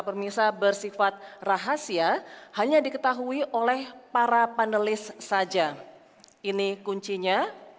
pemirsa bersifat rahasia hanya diketahui oleh para panelis saja ini kuncinya